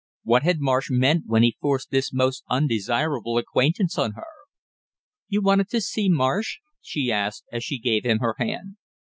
What had Marsh meant when he forced this most undesirable acquaintance on her! "You wanted to see Marsh?" she asked, as she gave him her hand.